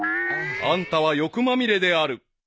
［あんたは欲まみれである］